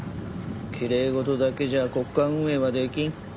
きれい事だけじゃ国家運営はできん。